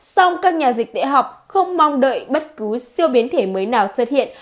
song các nhà dịch tễ học không mong đợi bất cứ siêu biến thể mới nào xuất hiện